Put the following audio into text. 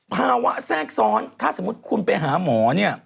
แทรกซ้อนถ้าสมมุติคุณไปหาหมอเนี่ย